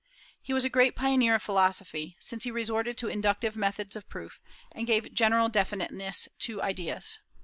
He was a great pioneer of philosophy, since he resorted to inductive methods of proof, and gave general definiteness to ideas.